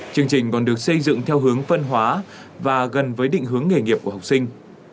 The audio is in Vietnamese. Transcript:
chương trình còn được xây dựng theo hướng phân hóa và gần với định hướng nghề nghiệp của học sinh